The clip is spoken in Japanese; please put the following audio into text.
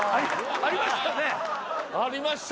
ありました。